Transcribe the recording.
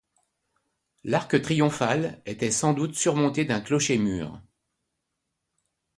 L'arc triomphal était sans doute surmonté d'un clocher-mur.